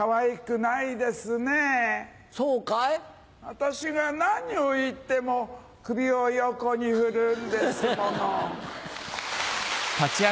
私が何を言っても首を横に振るんですもの。